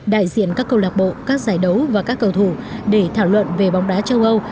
đại diện các câu lạc bộ các giải đấu và các cầu thủ để thảo luận về bóng đá châu âu